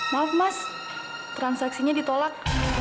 maaf mas transaksinya ditolak